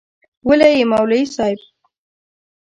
وله یی مولوی صیب